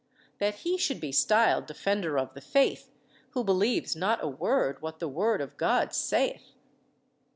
That he should be styled Defender of the Faith Who believes not a word what the Word of God saith.